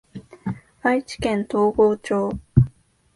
愛知県東郷町